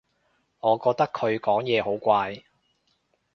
我覺得佢講嘢好怪